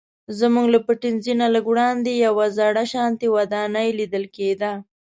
زموږ له پټنځي نه لږ وړاندې یوه زړه شانتې ودانۍ لیدل کیده.